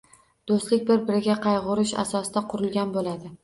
Doʻstlik, bir-biriga qaygʻurish asosiga qurilgan boʻladi.